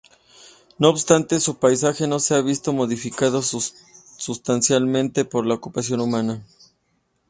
No obstante, su paisaje no se ha visto modificado sustancialmente por la ocupación humana.